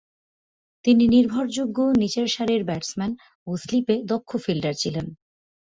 তিনি নির্ভরযোগ্য নিচেরসারির ব্যাটসম্যান ও স্লিপে দক্ষ ফিল্ডার ছিলেন।